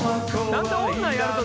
何で女やると